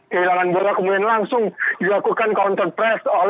kehilangan golnya kemudian langsung dilakukan counter press oleh pemain timnas indonesia